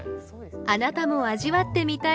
あなたも味わってみたい